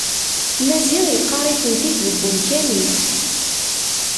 Maziɣ yeqqar-iten-id deg umkan-is.